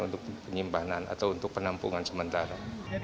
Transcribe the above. untuk penyimpanan atau untuk penampungan sementara